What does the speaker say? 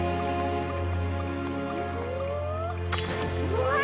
うわ！